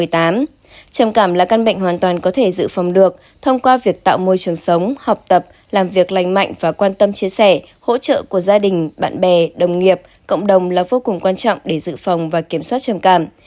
trầm cảm là căn bệnh hoàn toàn có thể dự phòng được thông qua việc tạo môi trường sống học tập làm việc lành mạnh và quan tâm chia sẻ hỗ trợ của gia đình bạn bè đồng nghiệp cộng đồng là vô cùng quan trọng để dự phòng và kiểm soát trầm cảm